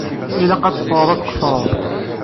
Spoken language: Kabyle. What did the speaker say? Ilaq ad teffɣeḍ ad tqeṣṣreḍ.